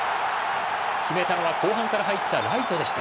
決めたのは後半から入ったライトでした。